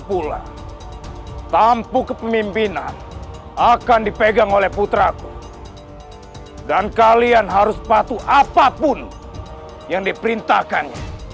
pula tampu kepemimpinan akan dipegang oleh putraku dan kalian harus patuh apapun yang diperintahkan